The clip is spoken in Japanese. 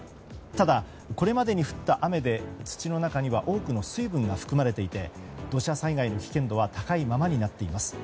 ただこれまでに降った雨で土の中には多くの水分が含まれていて土砂災害の危険度は高いままになっています。